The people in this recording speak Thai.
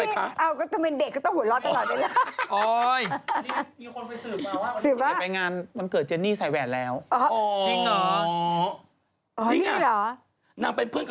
ไม่เป็นไรค่ะ